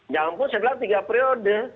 ya ampun saya bilang tiga periode